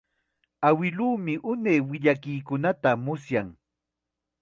Awiluumi unay willakuykunata musyan.